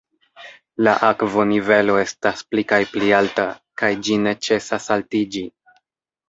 La akvonivelo estas pli kaj pli alta, kaj ĝi ne ĉesas altiĝi.